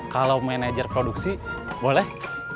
kalau manajer produksi boleh